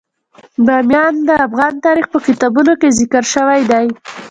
بامیان د افغان تاریخ په کتابونو کې ذکر شوی دي.